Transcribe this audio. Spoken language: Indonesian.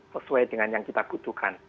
sesuai dengan yang kita butuhkan